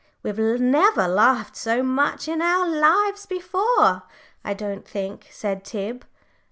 "We've never laughed so much in our lives before, I don't think," said Tib.